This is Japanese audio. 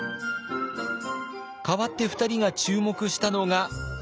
代わって２人が注目したのが。